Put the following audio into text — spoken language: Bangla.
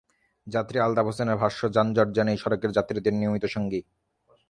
যাত্রী আলতাফ হোসেনের ভাষ্য, যানজট যেন এই সড়কের যাত্রীদের নিয়মিত সঙ্গী।